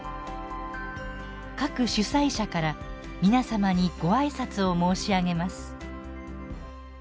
各主催者から皆様にご挨拶を申し上げます。